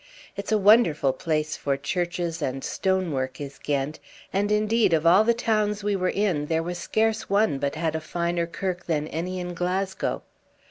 It's a wonderful place for churches and stonework is Ghent, and indeed of all the towns we were in there was scarce one but had a finer kirk than any in Glasgow.